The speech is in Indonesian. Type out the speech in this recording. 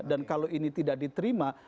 dan kalau ini tidak diterima